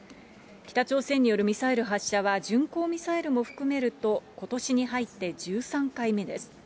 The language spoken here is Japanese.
北朝鮮によるミサイル発射は、巡航ミサイルも含めると、ことしに入って１３回目です。